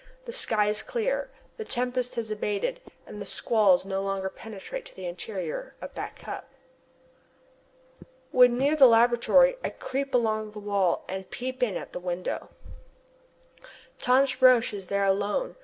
The sky is clear, the tempest has abated, and the squalls no longer penetrate to the interior of Back Cup. When near the laboratory, I creep along the wall and peep in at the window. Thomas Roch is there alone.